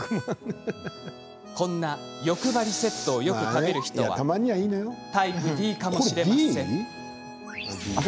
こんな欲張りセットをよく食べる人はタイプＤかもしれませんよ。